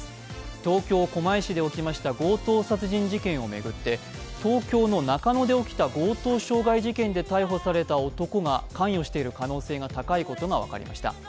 東京・狛江市で起きました強盗殺人事件を巡って東京の中野で起きた強盗傷害事件で逮捕された男が関与している可能性が高いことが分かりました。